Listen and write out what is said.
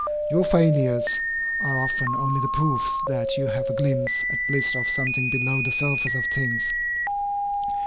Your failures are often only the proofs that you have a glimpse at least of something below the surface of things.